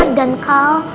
kamu kan santri kelas